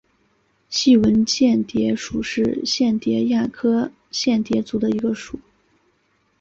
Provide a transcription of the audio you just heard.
细纹蚬蝶属是蚬蝶亚科蚬蝶族里的一个属。